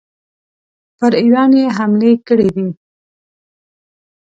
پر ایران یې حملې کړي دي.